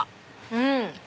うん！